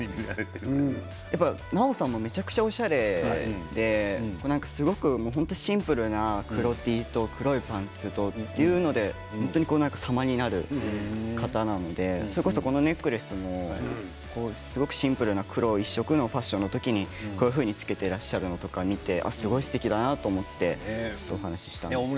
南朋さんもめちゃくちゃおしゃれでシンプルな黒Ｔと黒いパンツとというので様になる方なのでそれこそ、このネックレスもすごくシンプルな黒一色のファッションの時にこういうふうにつけていらっしゃるのを見てすごいすてきだなと思ってお話ししたんです。